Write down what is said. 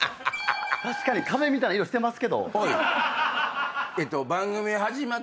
確かに壁みたいな色してますけど。